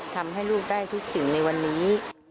ทำให้ลูกได้ทุกสิ่งในวันนี้